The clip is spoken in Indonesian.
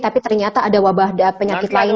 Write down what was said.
tapi ternyata ada wabah penyakit lain